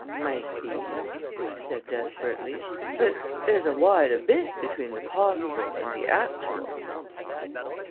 "Might be," I said desperately. "But there's a wide abyss between the possible and the actual."